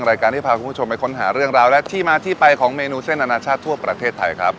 รายการที่พาคุณผู้ชมไปค้นหาเรื่องราวและที่มาที่ไปของเมนูเส้นอนาชาติทั่วประเทศไทยครับ